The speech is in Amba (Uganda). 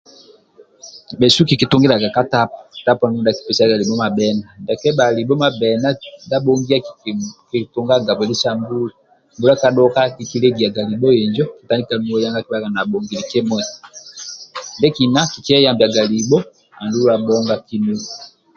Bhesu kikitungiliaga ka tapu tapu andulu dia akikipesiaga libho mabhonga ndia kebhali libho mabbena ndia abhongio kikitungaga bwile sa mbula mbula ka dhoka kikilegiaga libho injo kitandika nuwai akibhaga nabhongili kimui ndie kina kikiyembiaga libho andulu abhonga kinuwa